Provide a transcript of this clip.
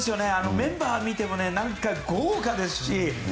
メンバー見ても豪華ですし。